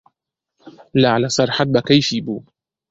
لالە سەرحەد بە کەیفی بوو.